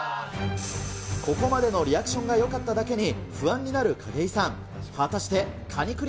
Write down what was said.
ここまでのリアクションがよかっただけに、不安になる景井さん。